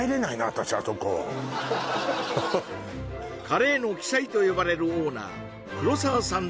私あそこカレーの鬼才と呼ばれるオーナー黒澤さん